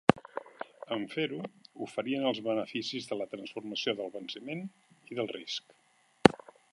En fer-ho, oferien els beneficis de la transformació del venciment i del risc.